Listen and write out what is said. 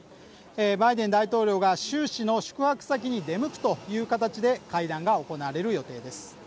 バイデン大統領が習氏の宿泊先に出向くという形で会談が行われる予定です。